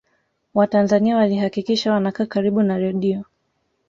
watanzania walihakikisha wanakaa karibu na redio